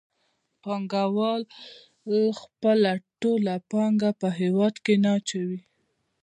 پانګوال خپله ټوله پانګه په هېواد کې نه اچوي